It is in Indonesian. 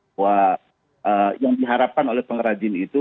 bahwa yang diharapkan oleh pengrajin itu